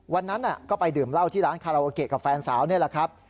วันนั้นก็ไปดื่มเหล้าที่ร้านคาราโอเกะกับแฟนสาวนี่แหละครับ